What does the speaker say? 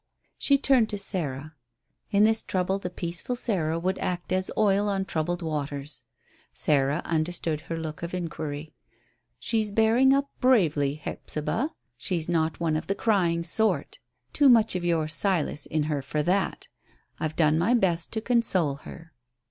She turned to Sarah. In this trouble the peaceful Sarah would act as oil on troubled waters. Sarah understood her look of inquiry. "She's bearing up bravely, Hephzibah. She's not one of the crying sort. Too much of your Silas in her for that. I've done my best to console her."